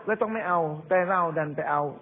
ต้องไม่เอาแต่เราดันไปเอา